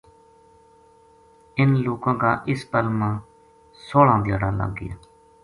انھ لوکاں کا اس پل ما سوہلاں دھیاڑا لگ گیا